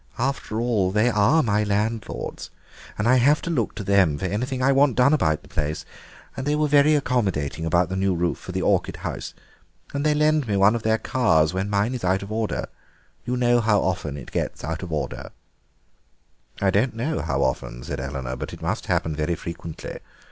After all, they are my landlords and I have to look to them for anything I want done about the place; they were very accommodating about the new roof for the orchid house. And they lend me one of their cars when mine is out of order; you know how often it gets out of order." "I don't know how often," said Eleanor, "but it must happen very frequently.